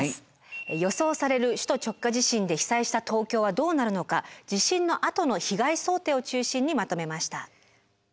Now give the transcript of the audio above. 予想される首都直下地震で被災した東京はどうなるのか地震のあとの被害想定を中心にまとめました。